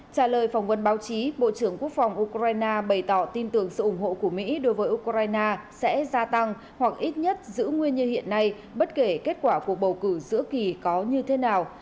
trả lời phỏng vấn báo chí bộ trưởng quốc phòng ukraine bày tỏ tin tưởng sự ủng hộ của mỹ đối với ukraine sẽ gia tăng hoặc ít nhất giữ nguyên như hiện nay bất kể kết quả cuộc bầu cử giữa kỳ có như thế nào